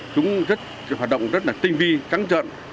chúng rất hoạt động rất là tinh vi trắng trợn